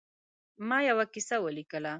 ما یوه کیسه ولیکله.